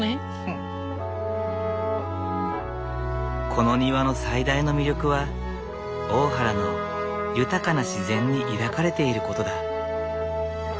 この庭の最大の魅力は大原の豊かな自然に抱かれていることだ。